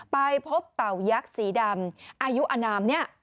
ไปพบเต่ายักษ์สีดำอายุอนามเนี่ย